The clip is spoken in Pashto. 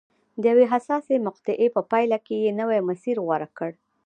د یوې حساسې مقطعې په پایله کې یې نوی مسیر غوره کړ.